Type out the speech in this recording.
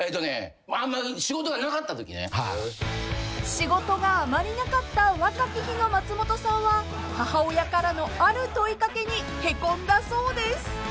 ［仕事があまりなかった若き日の松本さんは母親からのある問い掛けにへこんだそうです］